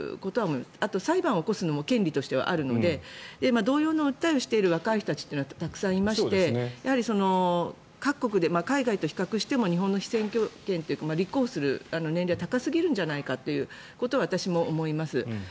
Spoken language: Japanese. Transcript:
あと、裁判を起こすのも権利としてはあるので同様の訴えをしている若い人たちはたくさんいましてやはり海外と比較しても日本の被選挙権って立候補する年齢が高すぎるんじゃないかということは私も思います。